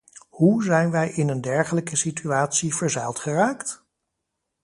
Hoe zijn wij in een dergelijke situatie verzeild geraakt?